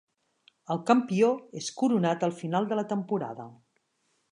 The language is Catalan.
El campió és coronat al final de la temporada.